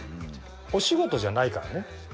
お仕事じゃないからね